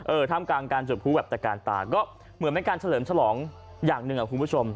ท่ามกลางการจุดผู้แบบตะการตาก็เหมือนเป็นการเฉลิมฉลองอย่างหนึ่งอ่ะคุณผู้ชม